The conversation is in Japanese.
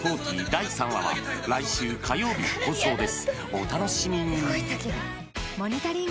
第３話は来週火曜日放送です